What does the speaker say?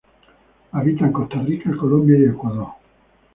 Habita en Costa Rica, Colombia y Ecuador.